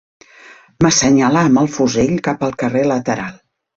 M'assenyalà amb el fusell cap al carrer lateral